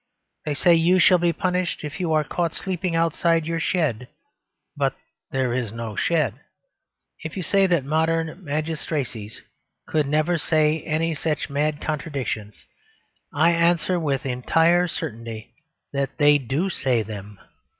They say, "You shall be punished if you are caught sleeping outside your shed: but there is no shed." If you say that modern magistracies could never say such mad contradictions, I answer with entire certainty that they do say them.